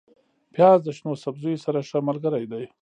پیاز د شنو سبزیو سره ښه ملګری دی